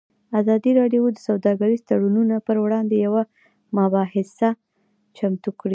ازادي راډیو د سوداګریز تړونونه پر وړاندې یوه مباحثه چمتو کړې.